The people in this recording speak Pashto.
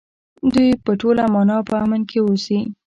دوی په ټوله مانا په امن کې اوسي.